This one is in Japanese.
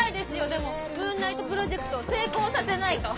でもムーンナイトプロジェクトを成功させないと！